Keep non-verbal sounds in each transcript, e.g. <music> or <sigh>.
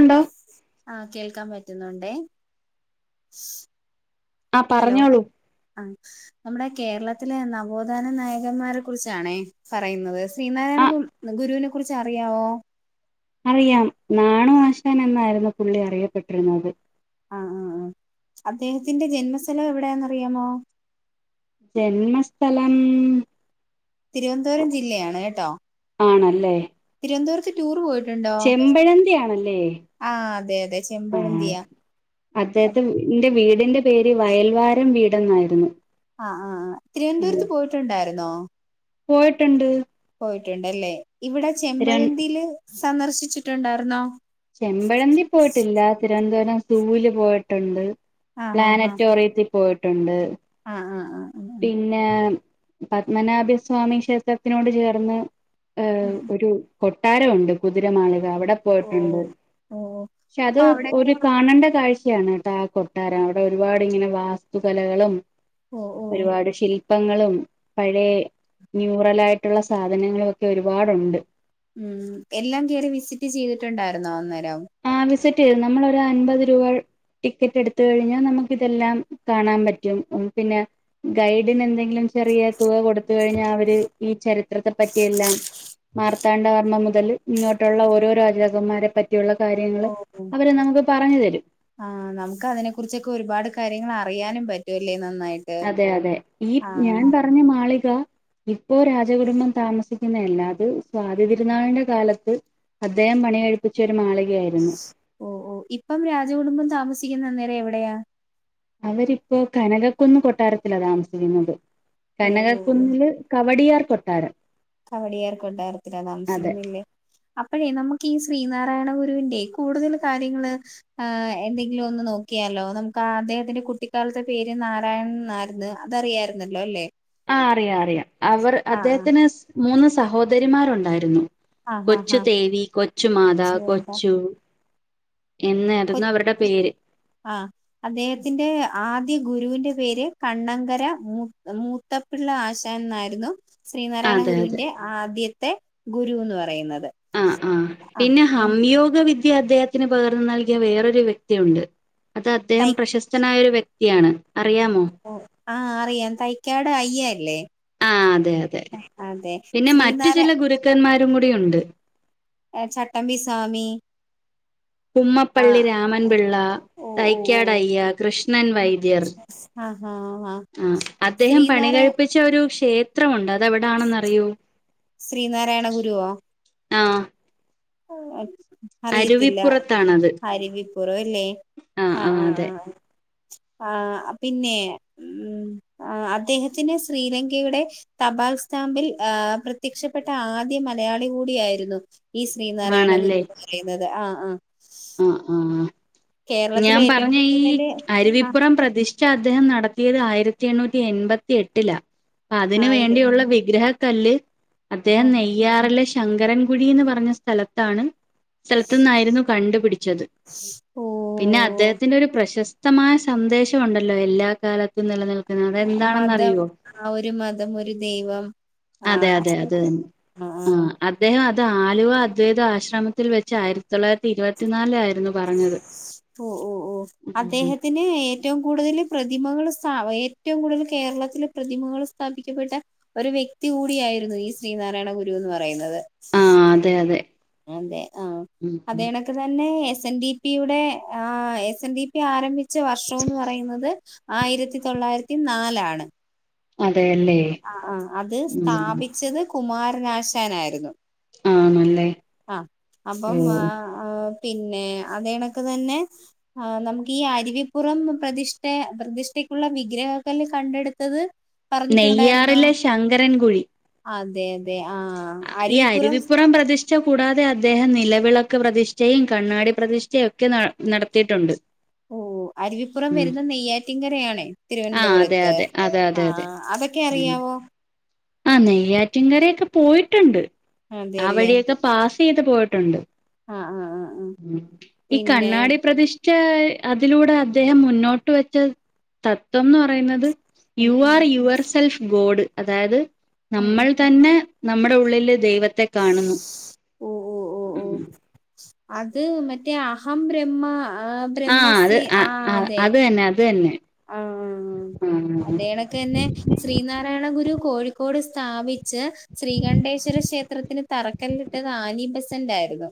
ണ്ടോ ആഹ് കേൾക്കാൻ പറ്റുന്നുണ്ടേ. ആ ഹലോ പറഞ്ഞോളൂ ആഹ്. നമ്മടെ കേരളത്തിലെ നവോത്ഥാന നായകന്മാരെ കുറിച്ചാണേ പറയുന്നത് ആ ശ്രീനാരായണ ഗുരുവിനെ കുറിച്ച് അറിയാവോ? അറിയാം നാണു ആശാൻ എന്നായിരുന്നു പുള്ളി അറിയപ്പെട്ടിരുന്നത്. ആഹ് ആഹ് ആ അദ്ദേഹത്തിന്റെ ജന്മസ്ഥലം എവിടെയാന്ന് അറിയാമോ? ജന്മസ്ഥലം- തിരുവനന്തപുരം ജില്ലയാണ് കേട്ടോ ആണല്ലേ തിരുവനന്തപുരത്ത് ടൂർ പോയി ട്ടുണ്ടോ ചെമ്പഴന്തി ആണല്ലേ ആ അതെ അതെ ആ ചെമ്പഴന്തിയാ. അദ്ദേഹത്തെ എന്റെ വീടിന്റെ പേര് വയൽവാരം വീടെ എന്നായിരുന്നു. ആ ആ തിരുവനന്തപുരത്ത് പോയിട്ടുണ്ടായിരുന്നോ? പോയിട്ടുണ്ട്. പോയിട്ടുണ്ടല്ലേ ഇവിടെ തിരു ചെമ്പഴന്തിയില് സന്ദർശിച്ചിട്ടുണ്ടായിരുന്നോ? ചെമ്പഴന്തി പോയിട്ടില്ല തിരുവനന്തപുരം സൂല് പോയിട്ടുണ്ട്. ആഹ് ആഹ് ആഹ് പ്ലാനറ്റോറിയത്തിൽ പോയിട്ടുണ്ട്. ആഹ് ആ ആ- പിന്നെ പത്മനാഭിസ്വാമി ക്ഷേത്രത്തിനോട് ചേർന്ന് ആഹ് ഏഹ്ഒരു കൊട്ടാരൊണ്ട് കുതിരമാളിക അവിടെ ഓഹ് പോയിട്ടുണ്ട് ഓഹ് ക്ഷെ അത് അപ്പൊ ഒരു അവിടെയൊക്കെ കാണേണ്ട കാഴ്ചയാണ്. കൊട്ടാരം അവിടെ ഒരുപാട് ഇങ്ങനെ വാസ്തു കലകളും ഓ ഓ ഒരുപാട് ശിൽ ശിൽപ്പങ്ങളും പഴയ ന്യൂറൽ ആയിട്ടുള്ള സാധനങ്ങളും ഒക്കെ ഒരുപാടുണ്ട്. ഉം എല്ലാം കേയറി വിസിറ്റ് ചെയ്തിട്ടുണ്ടായിരുന്നോ അന്നേരം ആ വിസിറ്റ് ചെയ്തു നമ്മളൊ ഒരു അൻപത് രൂപ ടിക്കറ്റ് എടുത്ത കഴിഞ്ഞാൽ നമുക്ക് ഇതെല്ലാം കാണാൻ പറ്റും പിന്നെ ഗൈഡിന എന്തെങ്ക ചെറിയ തുക കൊടുത്ത കഴിഞ്ഞാൽ അവര് ഈ ചരിത്രത്തെ പറ്റിയ എല്ലാം മറി പത്താണ്ടവർമ്മ മുതൽ ഇങ്ങോട്ടുള്ള ഓരോ രാജാക്കന്മാരെ പറ്റിയുള്ള കാര്യങ്ങൾ അവരെ നമുക്ക് പറഞ്ഞു തരും ആ നമുക്ക് അതിനെ കുറിച്ചൊക്കെ ഒരുപാട് കാര്യങ്ങൾ അറിയാനും പറ്റുവല്ലേ നന്നായിട്ട് അതെ അതെ ഈ ആഹ് ഞാൻ പറഞ്ഞ മാളിക ഇപ്പോ രാജകുടുംബം താമസിക്കുന്ന അല്ലാതെ സ്വാതിതിരുന്നാളിന്റെ കാലത്ത് അദ്ദേഹം പണിയെഴിപ്പിച്ചൊ ഒരു മാളികയായിരുന്നു. ഓഹ് ഓഹ് ഇപ്പം രാജകുടുംബം താമസിക്കുന്ന അന്നേരം എവിടെയാ? അവരിപ്പൊ കനകക്കുന്ന് കൊട്ടാരത്തിലാ താമസിക്കുന്നത്. ഓ ഓ ഓ കനകക്കുന്നില് കവടിയാർ കൊട്ടാരം കവടിയാർ കൊട്ടാരത്തിലാ അതെ താമസിക്കുന്നില്ലേ? അപ്പഴേ നമുക്ക് ഈ ശ്രീനാരായണ ഗുരുവിന്റെ കൂടുതല് കാര്യങ്ങള് ആഹ് എന്തെങ്കിലും ഒന്ന് നോക്കിയാലോ, നമുക്ക് ആ അദ്ദേഹത്തിന്റെ കുട്ടിക്കാലത്തെ പേര് നാരായണൻ എന്നായിര്ന്ന് അതറിയായിരുന്നല്ലോ അല്ലെ? ആഹ് അറിയാം അറിയാം അവർ അദ്ദേഹത്തിന് മൂന്ന് സഹോദരിമാരൊണ്ടായിരുന്നു. ആഹ് ആഹ് കൊച്ചു ആഹ് ആഹ് തെവി കൊച്ചു മാതാ ശരിയെന്നാ കൊച്ചു കൊ എന്നായിര്ന്ന് അവരുടെ പേര്. ആഹ് അദ്ദേഹത്തിന്റെ ആദ്യ ഗുരുവിന്റെ പേര് കണ്ണങ്കര മൂ- ഇത്തപ്പിള്ള ആശാൻ ന്നായ്ര്ന്നു ശ്രീനാരായണ അതെ അതെ ഗുരുവിന്റെ ആദ്യത്തെ ഗുരുന്ന് പറയുന്നത് ആഹ് ആഹ് പിന്നെ ആഹ് ഹംയോഗ വിദ്യ അദ്ദേഹത്തിന് പകർന്ന് നൽകിയ വേറൊരു വ്യക്തിയുണ്ട്. അത് അദ്ദേഹം പ്രശസ്തനായ ഒരു വ്യക്തിയാണ് അറിയാമോ? ഓ ആഹ് അറിയാൻ തൈക്കാട് അയ്യല്ലേ? ആഹ് അതെ അതെ. അതെ പിന്നെ, മറ്റു ശ്രീനാരാ ചില ഗുരുക്കന്മാരും കൂടി ഉണ്ട്. ഏഹ് ചട്ടംമ്പിസ്വാമി കുമ്മപ്പള്ളി രാമൻപിള്ള, ഓഹ് ഓഹ് ഓഹ് തൈക്കാടയ്യ, കൃഷ്ണൻ വൈദ്യർ, ആഹ് ആഹ് ആഹ് അദ്ദേഹം പണി ശ്രീനാരാ കഴിപ്പിച്ച ഒരു ക്ഷേത്രം ക്ഷേത്രംമുണ്ട് അതെവടാണെന്നറിയോ? ശ്രീനാരായണ ആഹ് ഓ അറിയത്തില്ല അരുവിപ്പുറത്താണത്. അരിവിപ്പുറോല്ലെ ആ ആ ആഹ് അതെ. ആഹ് ആഹ് പിന്നെ ഉം അദ്ദേഹത്തിന് ശ്രീലങ്കയുടെ തപാൽ സ്റ്റാമ്പിൽ ആഹ് പ്രത്യക്ഷപ്പെട്ട ആദ്യ മലയാളി കൂടിയായിരുന്നു ഈ ശ്രീനാരായണ ഗുരു എന്ന് പറയുന്നത് ആഹ് ആഹ് ആഹ് ആഹ് കേരളത്തിലെ ഞാൻ ഏറ്റവും പറഞ്ഞ ഈ കൂടുതല് ആ അരുവിപ്പുറം പ്രതിഷ്- ക്ഷ അദ്ദേഹം നടത്തിയത് ആയിരത്തി എണ്ണൂറ്റി എൺപത്തി എട്ടിലാ അപ്പൊ അതിന് ആയിര് വേണ്ടിയുള്ള വിഗ്രഹ കല്ല് അദ്ദേഹം നെയ്യാറിലെ ശങ്കരൻകുഴിന്ന് പറഞ്ഞ സ്ഥലത്താണ് സ്ഥലത്ത്ന്നായിരുന്നു കണ്ടുപിടിച്ചത്. ഓഹ് പിന്നെ അദ്ദേഹത്തിന്റെ ഒരു പ്രശസ്തമായ സന്ദേശംഒണ്ടല്ലോ എല്ലാ കാലത്ത- ത്തും നിലനിൽക്കുന്നത് അത് മതം എന്താണെന്നറിയുവോ? ആ ഒരു മതം ഒരു ദൈവം ആ അതെ അതെ അത് തന്നെ ആ ആ ആഹ് അദ്ദേഹം അത് ആലുവ അദ്വൈത ആശ്രമത്തിൽ വെച്ച് ആയിരത്തി തൊള്ളായിരത്തി ഇരുപത്തിനാല് ആയിരുന്നു. ഓ ഓ ഓ ഉം അദ്ദേഹത്തിന് ഏറ്റവും കൂടുതല് പ്രതിമകള് സ്ഥ ഏറ്റവും കൂടുതല് കേരളത്തില് പ്രതിമകള് സ്ഥാപിക്കപ്പെട്ട ഒരു വ്യക്തി കൂടിയായിരുന്നു ഈ ശ്രീനാരായണ ഗുരു എന്ന് പറയുന്നത്. ആ അതെ അതെ അതെ ആഹ് ഉം അതെ ഉം ണെ അത് തന്നെ എസ് എൻ ഡിപിയുടെ ആഹ് എസ് എൻ ഡി പി ആരംഭിച്ച ആരംഭിച്ച വർഷോംന്ന് പറയുന്നത് ആയിരത്തി തൊള്ളായിരത്തി നാലാണ് അതെയല്ലെ? ആഹ് ആഹ് അത് സ്ഥാപിച്ചത് കുമാരനാശാനായിരുന്നു. ആണല്ലെ? ആഹ് അപ്പം ആഹ് ആഹ് പിന്നെ അതേണക്ക്‌ തന്നെ ആഹ് നമുക്ക് ഈ അരുവിപ്പുറം പ്രതിഷ്ഠ പ്രതിഷ്ഠക്കുള്ള വിഗ്രഹൊ ക്കല്ല് കണ്ടെടുത്തത്? പറഞ്ഞിട്ടുണ്ടായിരുന്നോ നെയ്യാറിലെ ശങ്കരൻ കുഴി. അതെ അതെ ആഹ് അരിവിപ്പുറം പ്രധിഷ്ട കൂടാതെ അദ്ദേഹം നിലവിളക്ക് പ്രതിഷ്ഠയും കണ്ണാടി പ്രതിഷ്ഠയും ഒക്കെ നടത്തിട്ടുണ്ട്. ഓഹ് അരുവിപ്പുറം വരുന്ന നെയ്യാറ്റിൻകരയാണ് ആ അതെ തിരുവനന്തപുരത്ത് അതെ അതെ അതെ അതെ ആഹ് അതൊക്കെ അറിയാവോ ആഹ് നെയ്യാറ്റിൻകരൊക്കെ പോയിട്ടുണ്ട് ആ അതെല്ലേ വഴിയൊക്കെ പാസ് ചെയ്ത് പോയിട്ടുണ്ട് ആഹ് ആഹ് ആഹ് ആഹ് ഈ പിന്നെ കണ്ണാടി പ്രതിഷ്ഠ പ്രധിഷ്ട അതിലൂടെ അദ്ദേഹം മുന്നോട്ട് വെച്ച തത്വംന്ന് പറയുന്നത് ഉം you are your self god അതായത് ഉം ഉം നമ്മൾ തന്നെ നമ്മുടെ ഉള്ളില് ദൈവത്തെ കാണുന്നു ഓഹ് ഓഹ് ഓഹ് ഓഹ് ഉം <inaudible> അത് മറ്റേ അഹം ബ്രഹ്മ ആ അത് ബ്രഹ്മസി ആഹ് ആ അതെ അത് തന്നെ അത് തന്നെ. ആഹ് ആ അതേണക്ക് തന്നെ ശ്രീനാരായണ ഗുരു കോഴിക്കോട് സ്ഥാപിച്ച ശ്രീകണ്ഠേശ്വര ക്ഷേത്രത്തിന് തറക്കല്ലിട്ടത് ആനി ബസന്റെയിരുന്നു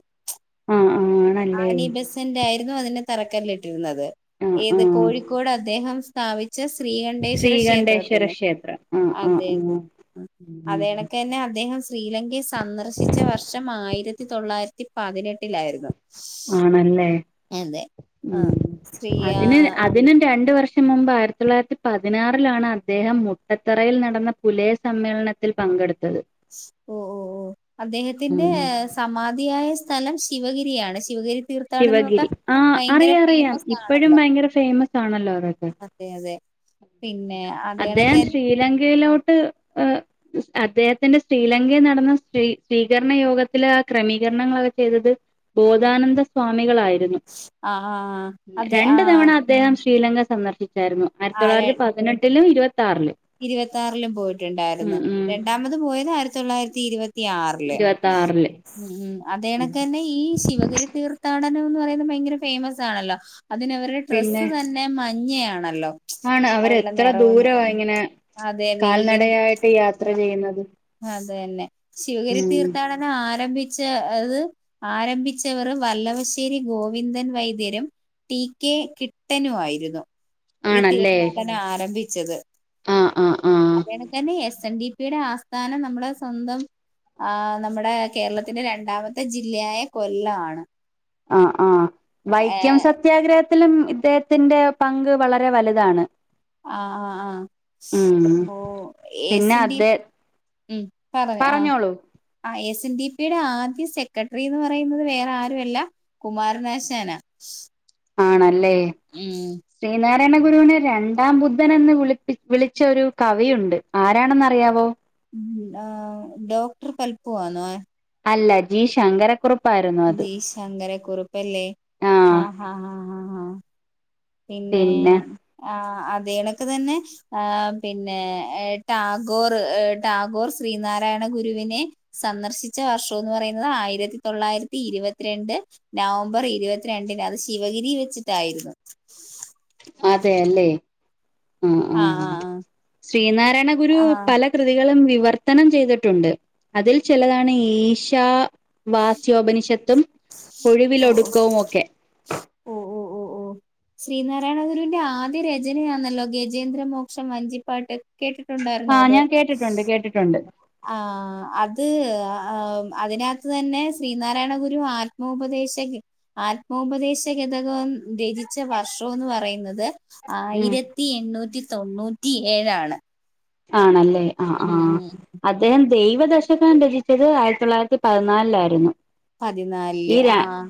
ആഹ് ആഹ് ആണല്ലേ ആണബസന്റ ആയിരുന്നു അതിന് തറക്കല്ലിട്ടിരുന്നത് ആഹ് ഏത് ആഹ് കോഴിക്കോട് അദ്ദേഹം സ്ഥാപിച്ച ശ്രീകണ്ഠേശ്വര ശ്രീകണ്ഠേശ്വര ക്ഷേത്രത്തിന് ക്ഷേത്രം ആഹ് ആഹ് അതെ ആഹ് ഉം അതെ അതെണക്ക് തന്നെ അദ്ദേഹം ശ്രീലങ്കയിൽ സന്ദർശിച്ച വർഷം ആയിരത്തി തൊള്ളായിരത്തി പതിനെട്ടിലായിരുന്നു ആണല്ലേ അതെ ഉം ആഹ് ശ്രീയ അതിന് അതിന് രണ്ട് വർഷം അതിനു മുമ്പ് ആയിരത്തി തൊള്ളായിരത്തി പതിനാറിലാണ് അദ്ദേഹം മുട്ടത്തറയിൽ നടന്ന പുലയ സമ്മേളനത്തിന് സമ്മേളനത്തിൽ പങ്കെടുത്തത് ഓഹ് ഓഹ് ഓഹ് അദ്ദേഹത്തിന്റെ ഉം സമാധിയായ സ്ഥലം സ്ഥലം ശിവഗിരിയാണ് ശിവഗിരി തീർത്ഥാടനമൊക്കെ ശിവഗിരി ആഹ് ഭയങ്കര അറിയാം അറിയാം ഫേമസ് ഇപ്പഴും ആണല്ലോ ഭയങ്കര ഫേമസ് ആണല്ലോ അതൊക്കെ അതെ അതെ പിന്നെ ആഹ് അദ്ദേഹം ശ്രീലങ്കയിലോട്ട് ഏഹ് <inaudible> അദ്ദേഹത്തിന്റെ ശ്രീലങ്കയിൽ നടന്ന സ്സ്വീകരണ യോഗത്തിലെ ക്രമീകരണങ്ങളൊക്കെ ചെയ്തത് ബോധാനന്ദ സ്വാമികളായിരുന്നു ആഹ് ആഹ് അതെ രണ്ടു ആഹ് തവണ അദ്ദേഹം ശ്രീലങ്ക സന്ദർശിച്ചായിരുന്നു ആയിരത്തി ആരാ തൊള്ളായിരത്തി പതിനെട്ടിലും ഇരുപത്തി ആറില് ഇരുപത്തി ആറിലും പോയിട്ടുണ്ടായിരുന്നു ഉം രണ്ടാമത് പോയത് ആയിരത്തി തൊള്ളായിരത്തി ഇരുപത്തി ഇരുപത്തി ആറില് ഇരുപത്താറില്. അതണക്ക് തന്നെ ഈ ശിവഗിരി തീർത്ഥാടനം എന്ന് പറയുന്നത് ഭയങ്കര ഫേമസ് ആണല്ലോ അതിന അവരുടെ ഡ്രസ്സ് പിന്നെ തന്നെ തന്നെ മഞ്ഞയാണല്ലോ ആണ് അവരുടെ അവരെത്ര നിറവും ദൂരവാ ഇങ്ങനെ അതെ വെയിലും കാൽനടയായിട്ട് യാത്ര ചെയ്യുന്നത് അത് തന്നെ ശിവഗിരി ഉം തീർത്ഥാടനം ആരംഭിച്ച അത് ആരംഭിച്ചവർ വല്ലവശ്ശേരി ഗോവിന്ദൻ വൈദ്യരും ടി. കെ കിട്ടനു ആയിരുന്നു ഈ ആണല്ലേ തീർത്ഥാടന ആരംഭിച്ചത് ആഹ് ആഹ് ആഹ് എന്നെ എസ് എൻ ഡിപിയുടെ ആസ്ഥാനം നമ്മൾ സ്വന്തം ആഹ് നമ്മുടെ കേരളത്തിന്റെ രണ്ടാമത്തെ ജില്ലയായ കൊല്ലമാണ് ആഹ് ആഹ് വൈക്കം സത്യാഗ്രഹത്തിലും ഇദ്ദേഹത്തിന്റെ പങ്ക് വളരെ വലുതാണ് ആഹ് ആഹ് ഉം ആഹ് ഓ എസ് പിന്നെ എൻ ടി പി അതെ ഉം പറഞ്ഞു ആഹ് പറഞ്ഞോളൂ ഐ എസ് എൻ ഡിപിയുടെ ആദ്യ സെക്രട്ടറി എന്ന് പറയുന്നത് വേറെ ആരുമല്ല കുമാരനാശാന ആണല്ലേ ഉം ശ്രീനാരായണ ഗുരുവിനെ രണ്ടാം ബുദ്ധൻ എന്ന് വിളി വിളിച്ച ഒരു കവിയുണ്ട് ആരാണെന്ന് അറിയാവോ ഉം ആഹ് ഡോക്ടർ പൽപ്പുവാണോ അല്ല ജീ ശങ്കര കുറപ്പ് ജി ശങ്കരക്കുറുപ്പ് അല്ലേ ആഹ് ആഹ് ആഹ് പിന്നെ ആഹ് അതെണക്ക് തന്നെ ആഹ് പിന്നെ ടാഗോർ ടാഗോർ ശ്രീനാരായണ ഗുരുവിനെ സന്ദർശിച്ച വർഷം എന്ന് പറയുന്നത് ആയിരത്തി തൊള്ളായിരത്തി ഇരുപത്തിരണ്ട് നവംബർ ഇരുപത്തിരണ്ടിന് അത് ശിവഗിരി വെച്ചിട്ടായിരുന്നു അതെ അല്ലേ ആഹ് ആ ആഹ് ശ്രീനാരായണ ഗുരു ആ ആ പല കൃതികളും വിവർത്തനം ചെയ്തിട്ടുണ്ട് അതിൽ ചിലതാണ് ഈശ വാസ്യോപനിഷത്തും ഓ ഒഴിവിലൊടുക്കവും ഒക്കെ ഓ ഓ ഓ ശ്രീനാരായണ ഗുരുവിന്റെ ആദ്യ രചനയാണല്ലോ ഗജേന്ദ്ര മോക്ഷം വഞ്ചിപ്പാട്ട് കേട്ടിട്ടുണ്ടായിുന്നോ അത് ഉണ്ട് ആഹ് അത് ആഹ് അതിനകത്ത് തന്നെ ശ്രീനാരായണ ഗുരു ആത്മോപദേശ ആത്മോപദേശ ഗതകം രചിച്ച വർഷം എന്ന് പറയുന്നത് ഉം ആയിരത്തി എണ്ണൂറ്റി തൊണ്ണൂറ്റി ഏഴാണ് ആണല്ലേ ആഹ് ഉം ആഹ് ഉം അദ്ദേഹം ദൈവ ദശകം രചിച്ചത് ആയിരത്തി തൊള്ളായിരത്തി പതിനാലിലായിരുന്നു ഈ പതിനാല്ല് ര ആഹ്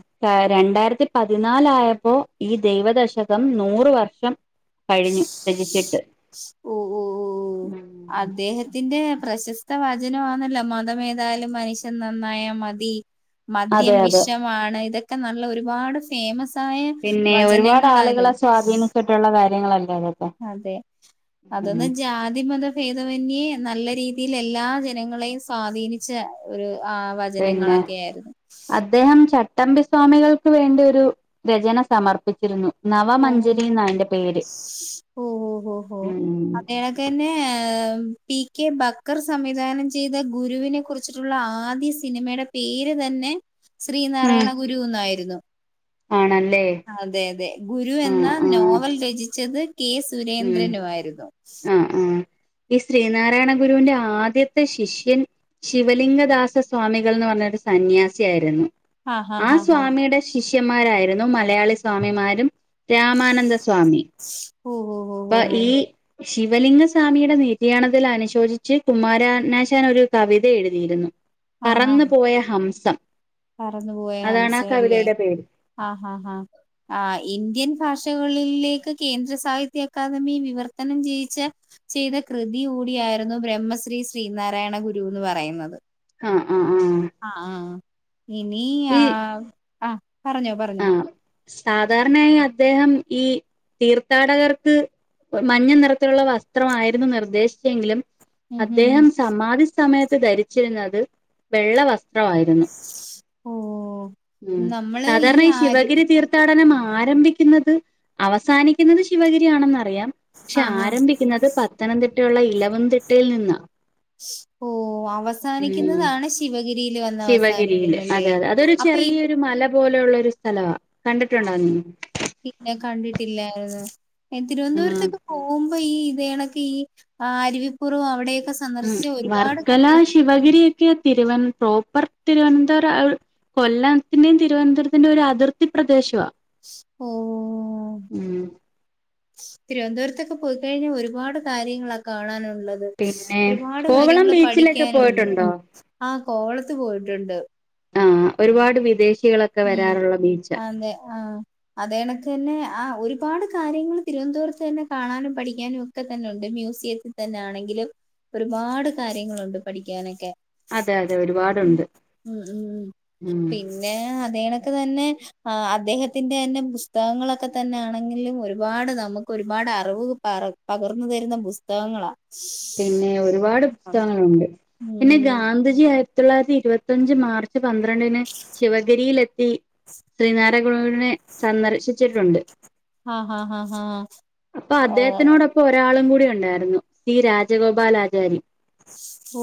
രണ്ടായിരത്തി പതിനാാല ആയപ്പോ ഈ ദൈവ ദശകം നൂറ വർഷം കഴിഞ്ഞു രചിച്ചിട്ട് ഓ ഓ ഓ ഉം അദ്ദേഹ തിന്റെ പ്രശസ്ത വചനംമാന്നല്ല മതം ഏതായാലും മനുഷ്യൻ നന്നായ മതി അതെ മദ്യം അതെ വിഷമാണ് ഇതൊക്കെ നല്ല ഒരുപാട് ഫേമസ് ആയ വചനങ്ങളാ ഇത് മുള്ള കാര്യങ്ങളല്ല അതെ അതൊന്ന് ജാതിമത ഭേദമന്യേ നല്ല രീതിയിൽ എല്ലാ ജനങ്ങളെയും സ്വാധീനിച്ച ഒരു ആഹ് പിന്നെ അദ്ദേഹം ചട്ടമ്പി സ്വാമികൾക്ക് വേണ്ടി ഒരു രചന സമർപ്പിച്ചിരുന്നു ഓ നവമഞ്ചരി എന്ന അതിന്റെ പേര് ഉം ഉം ഉം പിന്നെ പി കെ ബക്ക്കർ സംവിധാനം ചെയ്ത ഗുരുവിനെ കുറിച്ച് ച്ചിട്ടുള്ള ആദ്യ സിനിമയുടെ പേര് തന്നെ ശ്രീനാരായണ ഗുരു എന്നായിരുന്നു ആണല്ലേ അതെ അതെ ഗുരു ആഹ് എന്ന ആഹ് നോവൽ രചിച്ചത് കെ ഉം സുരേന്ദ്രനുമയിരുന്നു ആഹ് ആഹ് ഈ ശ്രീനാരായണ ഗുരുവിന്റെ ആദ്യത്തെ ശിഷ്യൻ ശിവലിംഗദാസ സ്വാമികൾന്ന് പറഞ്ഞരു സന്യാസി ആായിരുന്നു ആ ഹാ ഹാ ആഹ് ഹാ സ്വാമിയുടെ ശിഷ്യന്മാരായിരുന്നു മലയാളി സ്വാമിമാരും രാമാനന്ദ സ്വാമി ഓ ഓ അപ്പ ഓ ഓ ഈ ശിവലിംഗസ്വാമിയുടെ നിര്യാണത്തിൽ അനുശോചിച്ച് കുമാരാനാശൻ ഒരു കവിത എഴുതിയിരുന്നു പറന്നു പോയ ഹംസം പറന്നു പോയ അതാണ് ആ ഹംസല്ലേ കവിതയുടെ പേര് ആഹാ ആഹാ ആഹാ ആ ഇന്ത്യൻ ഭാഷകളിലേക്ക് കേന്ദ്ര സാഹിത്യ അക്കാദമി വിവർത്തനം ചെയ്യിച്ച ചെയ്ത കൃതി കൂടിയായിരുന്നു ബ്രഹ്മശ്രീ ശ്രീനാരായണ ഗുരു എന്ന് പറയുന്നത് അ അ ആഹ് ആ ആഹ് ഇനി ആ ആ പറഞ്ഞോ പറഞ്ഞോ അ സാധാരണയായി അദ്ദേഹം ഈ തീർത്ഥാടകർക്ക് മഞ്ഞ നിറത്തിലുള്ള വസ്ത്രംമായിയിരുന്നു നിർദ്ദേശിച്ചെങ്കിലും ഉം ഉം അദ്ദേഹം ഉം സമാധി സമയത്ത് ധരിച്ചിരുന്നത് വെള്ള വസ് ത്രായിരുന്നു ഓഹ് ഉം നമ്മള് സാധാരണ ഈ ആര് ശിവഗിരി തീർഥ ർഥാടനം ആരംഭിക്കുന്നത് അവസാനിക്കുന്നത് ശിവഗിരിയാണെന്ന്റിയാം ക്ഷെ ആഹ് ആഹ് ആരംഭിക്കുന്നത് പത്തനംതിട്ടയുള്ള ഇലവന്തിട്ടയിൽ നിന്നാ ഓ ഉം അവസാനിക്കുന്നതാണ് ശിവഗിരിയിയില്ൽ വന്ന് ശിവഗിരിയില് അവസാനിക്കുന്നല്ലേ അതെ അതെ അതൊരു അപ്പൊ ഇ ചെറിയൊരു മല പോലെയുള്ള ഒരു സ്ഥലവാ കണ്ടിട്ടുണ്ടോ നീ ഇല്ല കണ്ടിട്ടില്ലായിരുന്നു ഉം തിരുവനന്തപുരത്തൊക്കെ പോമ്പോ ഈ ഇതണൊക്കെ ഈ അരുവിപ്പുറും അവിടെക്കെ സ് ഉം വർക്കല ശിവഗിരി ഒക്കെ തിരുവ പ്രോപ്പർ തിരുവനന്തപുരം കൊല്ലത്തിന്റെയും തിരുവനന്തപുരത്തിന്റെയും ഒരു അതിർത്തി പ്രദേശവാ ഓഹ് ഉം തിരുവനന്തപുരത്തൊക്കെ പോയിക്കഴിഞ്ഞാൽ ഒരുപാട് കാര്യങ്ങളാ കാണാനുള്ളത് പിന്നെ ഒരുപാട് കോവളം കാര്യങ്ങള് ബീച്ചിലൊക്കെ പഠിക്കാനുംണ്ട് പോയിട്ടുണ്ടോ ആ കോവളത്ത് പോയിട്ടുണ്ട് ആഹ് ഒരുപാട് വിദേശികളൊ ഉം അതെ ആഹ് അതേ കണക്ക് തന്നെ ആ ഒരുപാട് കാര്യങ്ങൾ തിരുവനന്തപുരത്ത് തന്നെ കാണാനും പഠിക്കാനും ഒക്കെ തന്നെ ഉണ്ട് മ്യൂസിയത് തന്നാണെങ്കിലും ഒരുപാട് കാര്യങ്ങളുണ്ട് പഠിക്കാനൊക്കെ അതെ അതെ ഒരുപാടുണ്ട് ഉം ഉം ഉം പിന്നെ അതേണക്കെ തന്നെ ആ അദ്ദേഹത്തിന്റെ തന്നെ പുസ്തകങ്ങളൊക്കെ തന്നെ ആണെങ്കിലും ഒരുപാട് നമുക്ക് ഒരുപാട് അറിവ് പകർ പകർന്നു തരുന്ന പുസ്തകങ്ങളാ പിന്നെ ഒരുപാട് പുസ്തകങ്ങളുണ്ട് പിന്നെ ഉം ഗാന്ധിജി ആയിരത്തി തൊള്ളായിരത്തി ഇരുപത്തിയഞ്ച് മാർച്ച് ച്ച് പന്ത്രണ്ടിന് ശിവഗിരിലെത്തി ശ്രീനാരായ ഗുണുവിനെ സന്ദർശിച്ചിട്ടുണ്ട് ആഹ് ആഹ് ആഹ് ഓ ഇപ്പോ ഒരാളും കൂടി ഉണ്ടായിരുന്നു സ്രീ രാജഗോപാൽ ആചാര്യ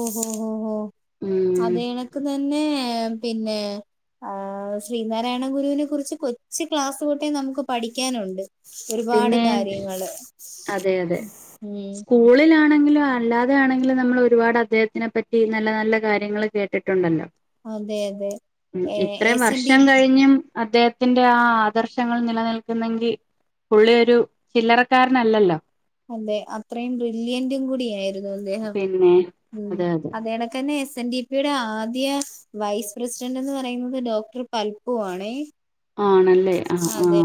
ഓഹോ ഹോ ഹോ ഉം അതെണക്ക് തന്നെ പിന്നെ ആ ശ്രീനാരായണ ഗുരുവിനെ കുറിച്ച് കൊച്ച് ക്ലാസ് തൊട്ടേ നമുക്ക് പഠിക്കാനുണ്ട് ഒരുപാട് പിന്നെ കാര്യങ്ങള് അതെ അതെ ഉം സ്കൂളിലാണെങ്കിലും അല്ലാതെ ആണെങ്കിലും നമ്മൾ ഒരുപാട് അദ്ദേഹത്തിനെ പറ്റി നല്ല നല്ല കാര്യങ്ങൾ കേട്ടിട്ടുണ്ടല്ലോ അതെ അതെ ഉം എ ഇത്രേം എസ് എൻ ഡി വർഷം കഴിഞ്ഞും അദ്ദേഹത്തിന്റെ ആ ആദർശങ്ങൾ നിലനിൽക്കുന്നെങ്കിൽ പുളളി ഒരു ചില്ലറക്കാരൻ നല്ലല്ലോ അതെ അത്രയും ബ്രില്യന്റും കൂടി ആയിരുന്നു അദ്ധേഹം പിന്നെ ഉം അതെ അതെ അതേണക്കന്നെ എസ് എൻ ഡി പിടെ ആദ്യ വൈസ് പ്രസിഡന്റ് എന്ന് പറയുന്നത് ഡോക്ടർ പൽപ്പു ആണേ ആണല്ലേ ആഹ് അതെ ആഹ്